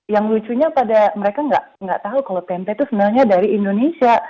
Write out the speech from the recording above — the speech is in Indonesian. yang lucunya pada mereka nggak tahu kalau tempe itu sebenarnya dari indonesia